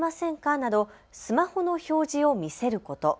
などスマホの表示を見せること。